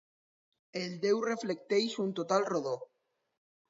El deu reflecteix un total rodó.